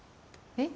えっ？